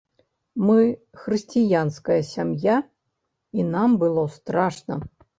Мы хрысціянская сям'я, і нам было страшна.